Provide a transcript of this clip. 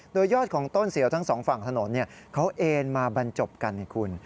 โดยยอดของต้นเสียวทั้งสองฝั่งถนนเขาเอ็นมาบรรจบกันให้คุณ